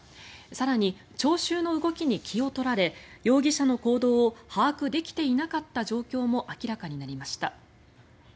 更に聴衆の動きに気を取られ容疑者の行動を把握できていなかった状況も明らかになりました。